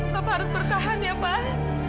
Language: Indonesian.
bapak harus bertahan ya pak